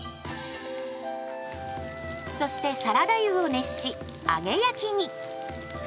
そしてサラダ油を熱し揚げ焼きに。